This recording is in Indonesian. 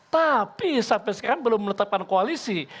tapi sampai sekarang belum menetapkan koalisi